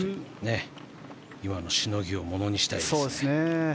今のしのぎをものにしたいですね。